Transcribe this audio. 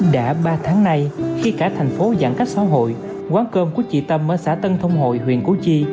đã ba tháng nay khi cả thành phố giãn cách xã hội quán cơm của chị tâm ở xã tân thông hội huyện củ chi